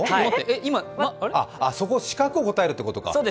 あ、そこの四角を答えるってことか。